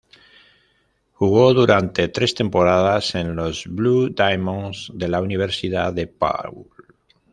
Jugó durante tres temporadas en los "Blue Demons" de la Universidad DePaul.